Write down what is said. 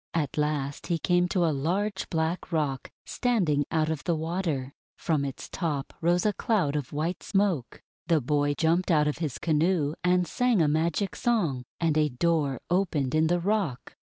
At last he came to a large black rock standing out of the water. From its top rose a cloud of white smoke. The boy jumped out of his canoe, and sang a magic song, and a door opened in the rock.